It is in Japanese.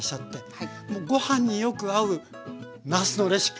ご飯によく合うなすのレシピ